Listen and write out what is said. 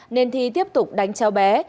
nên thi tiếp tục đánh cháu bé